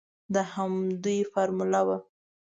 د همدوی فارموله وه.